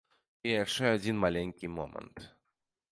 І яшчэ адзін маленькі момант.